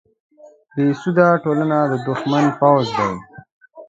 بیسواده ټولنه د دښمن پوځ دی